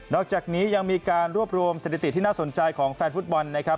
อกจากนี้ยังมีการรวบรวมสถิติที่น่าสนใจของแฟนฟุตบอลนะครับ